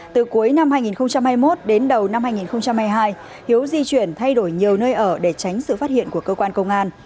từ cuối năm hai nghìn hai mươi một đến đầu năm hai nghìn hai mươi hai hiếu di chuyển thay đổi nhiều nơi ở để tránh sự phát hiện của cơ quan công an